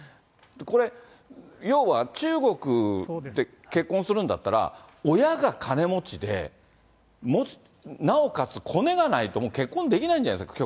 これ、要は中国で結婚するんだったら、親が金持ちで、なおかつこねがないと、結婚できないんじゃないですか？